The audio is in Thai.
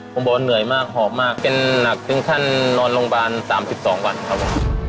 ผมบอกว่าเหนื่อยมากหอบมากเป็นหนักถึงขั้นนอนโรงพยาบาล๓๒วันครับผม